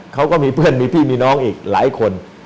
เขาก็มีเพื่อนมีพี่มีน้องอีกหลายคน